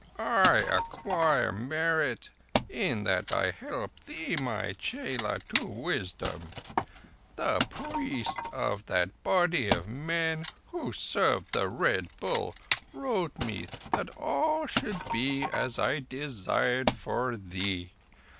"I acquire merit in that I help thee, my chela, to wisdom. The priest of that body of men who serve the Red Bull wrote me that all should be as I desired for thee.